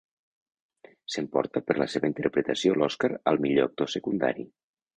S'emporta per la seva interpretació l'Oscar al millor actor secundari.